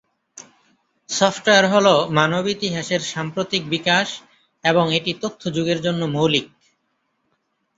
Software হ'ল মানব ইতিহাসের সাম্প্রতিক বিকাশ এবং এটি তথ্য যুগের জন্য মৌলিক।